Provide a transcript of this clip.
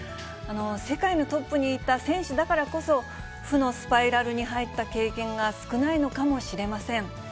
世界のトップにいた選手だからこそ、負のスパイラルに入った経験が少ないのかもしれません。